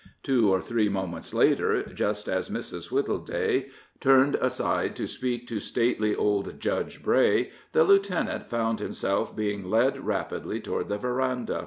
Two or three moments later, just as Mrs. Wittleday turned aside to speak to stately old Judge Bray, the lieutenant found himself being led rapidly toward the veranda.